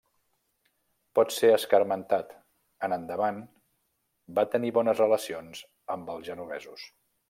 Potser escarmentat, en endavant va tenir bones relacions amb els genovesos.